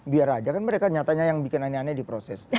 biar aja kan mereka nyatanya yang bikin aneh aneh di proses